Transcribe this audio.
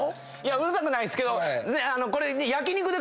うるさくないっすけどこれ。